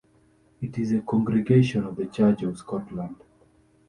It is a congregation of the Church of Scotland.